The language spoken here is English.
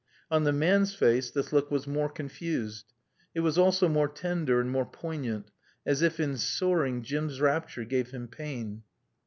On the man's face this look was more confused. It was also more tender and more poignant, as if in soaring Jim's rapture gave him pain.